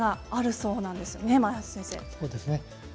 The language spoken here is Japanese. そうですね。